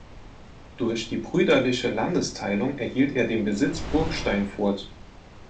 Durch die brüderliche Landesteilung erhielt er den Besitz Burgsteinfurt.